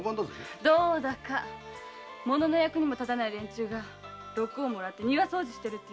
どうだか物の役にも立たない連中が禄をもらって庭掃除してるってじゃない。